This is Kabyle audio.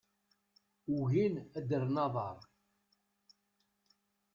Ugin ad rren aḍar.